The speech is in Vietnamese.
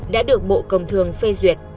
đã được bộ công thương phê duyệt